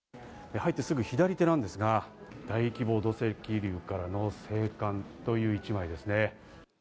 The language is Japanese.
入ってすぐ左手なんですが、土石流からの生還という１枚ですね。